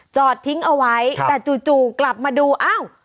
จอดทิ้งเอาไว้แต่จู่กลับมาดูอ้าว